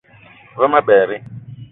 Ve ma berri